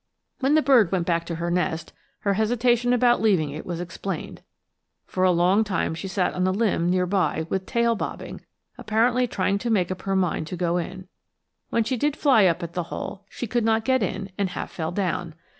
When the bird went back to her nest, her hesitation about leaving it was explained. For a long time she sat on a limb near by with tail bobbing, apparently trying to make up her mind to go in. When she did fly up at the hole she could not get in, and half fell down.